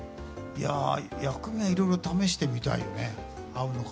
薬味はいろいろ試してみたいよね。